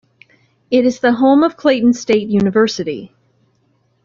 It is the home of Clayton State University.